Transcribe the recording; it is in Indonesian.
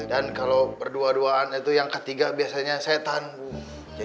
iya dan kalo berdua duaan itu yang ketiga biasanya setan bu